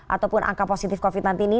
ataupun angka positif covid nanti ini